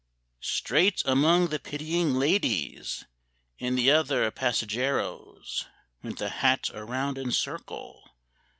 Straight among the pitying ladies, And the other passageros, Went the hat around in circle.